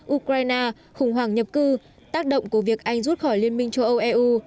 ukraine khủng hoảng nhập cư tác động của việc anh rút khỏi liên minh châu âu eu